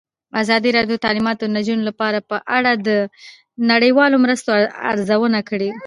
ازادي راډیو د تعلیمات د نجونو لپاره په اړه د نړیوالو مرستو ارزونه کړې.